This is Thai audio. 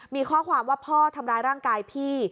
มีข้อความว่าพ่อทำร้ายร่างกายพี่